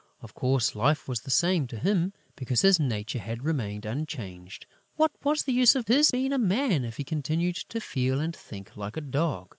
Of course, life was the same to him, because his nature had remained unchanged. What was the use of his being a man, if he continued to feel and think like a dog?